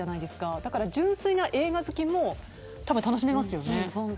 だから、純粋な映画好きもたぶん楽しめますよね。